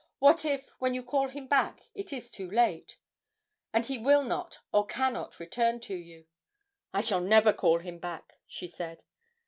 What if, when you call him back, it is too late; and he will not, or cannot, return to you?' 'I shall never call him back,' she said.